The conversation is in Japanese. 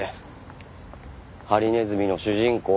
ハリネズミの主人公